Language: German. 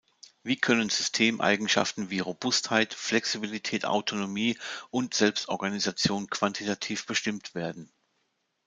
Wie können Systemeigenschaften wie Robustheit, Flexibilität, Autonomie und Selbstorganisation quantitativ bestimmt werden?